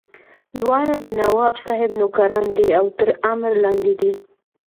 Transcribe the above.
دواړه د نواب صاحب نوکران دي او تر امر لاندې دي.